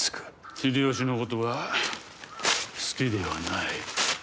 秀吉のことは好きではない。